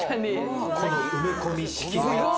埋め込み式のやつ。